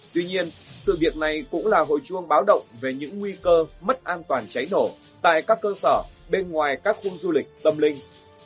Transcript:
tuy nhiên sự việc này cũng là hội chuông báo động về những nguy cơ mất an toàn cháy nổ tại các cơ sở bên ngoài các khu du lịch tâm linh